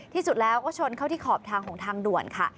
ที่สุดแล้วก็ชนเข้าที่ขอบทางของทางด่วนค่ะ